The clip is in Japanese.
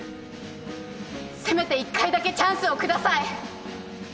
せめて１回だけチャンスを下さい！